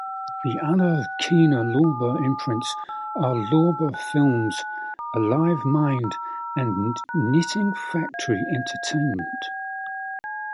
The other Kino Lorber imprints are Lorber Films, Alive Mind, and Knitting Factory Entertainment.